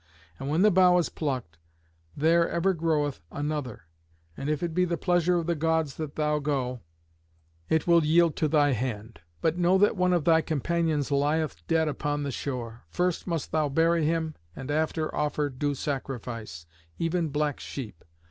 And when the bough is plucked, there ever groweth another; and if it be the pleasure of the Gods that thou go, it will yield to thy hand. But know that one of thy companions lieth dead upon the shore. First must thou bury him, and after offer due sacrifice, even black sheep.